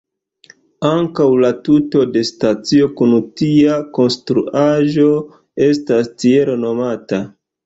Ankaŭ la tuto de stacio kun tia konstruaĵo estas tiel nomata.